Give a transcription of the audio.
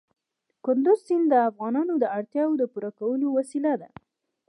کندز سیند د افغانانو د اړتیاوو د پوره کولو وسیله ده.